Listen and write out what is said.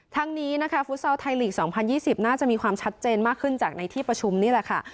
ทั้งนี้นะคะฟุตซอลไทยลีก๒๐๒๐น่าจะมีความชัดเจนมากขึ้นจากในที่ประชุมนี่แหละค่ะ